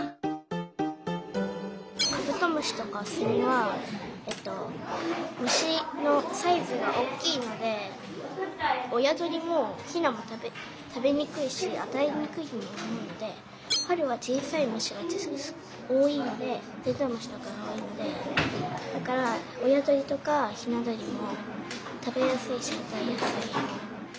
カブトムシとかセミは虫のサイズが大きいので親鳥もヒナも食べにくいしあたえにくいと思うので春は小さい虫が多いのでテントウムシとかが多いのでだから親鳥とかヒナ鳥も食べやすいしあたえやすい。